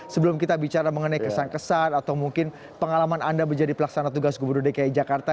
sebelum kita bicara mengenai kesan kesan atau mungkin pengalaman anda menjadi pelaksana tugas gubernur dki jakarta